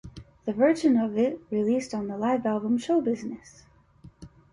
The version of it released on the live album Showbusiness!